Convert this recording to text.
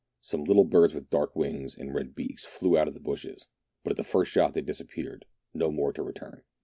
Some little birds with dark wings and red beaks flew out of the bushes, but at the first shot they disappeared, no more to return.